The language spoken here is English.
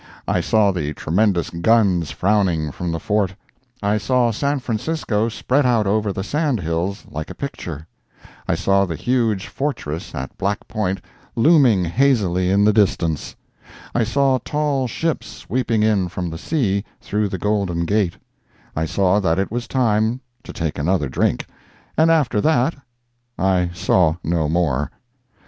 I saw the tremendous guns frowning from the fort; I saw San Francisco spread out over the sand hills like a picture; I saw the huge fortress at Black Point looming hazily in the distance; I saw tall ships sweeping in from the sea through the Golden Gate; I saw that it was time to take another drink, and after that I saw no more.